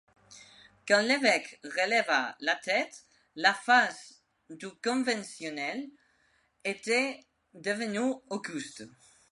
Quand l’évêque releva la tête, la face du conventionnel était devenue auguste.